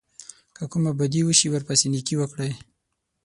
که کومه بدي وشي ورپسې نېکي وکړئ.